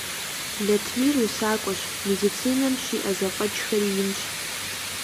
Латмир усакӀуэщ, медицинэм щиӀэ зэфӀэкӀхэри инщ.